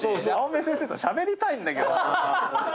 青目先生としゃべりたいんだけど。